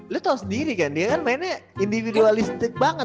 lu tau sendiri kan dia kan mainnya individualistik banget tuh